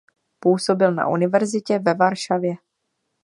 Působil na univerzitě ve Varšavě.